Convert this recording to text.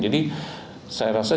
jadi saya rasa